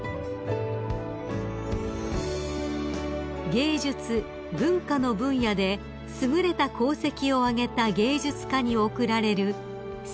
［芸術文化の分野で優れた功績を挙げた芸術家に贈られる世界文化賞］